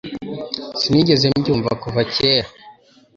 Sinigeze mbyumva kuva kera